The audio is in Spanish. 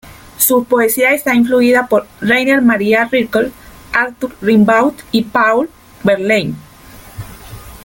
Su poesía está influida por Rainer Maria Rilke, Arthur Rimbaud y Paul Verlaine.